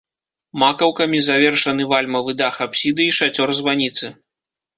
Макаўкамі завершаны вальмавы дах апсіды і шацёр званіцы.